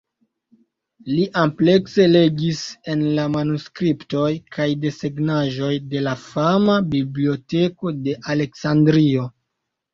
Li amplekse legis en la manuskriptoj kaj desegnaĵoj de la fama Biblioteko de Aleksandrio.